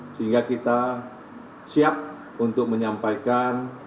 sehingga kita siap untuk menyampaikan